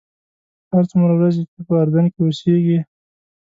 هر څومره ورځې چې په اردن کې اوسېږې.